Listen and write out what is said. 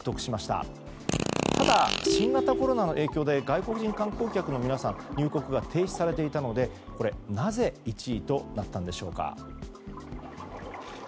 ただ、新型コロナの影響で外国人観光客の皆さん入国が停止されていたのでなぜ１位となったのでしょうか。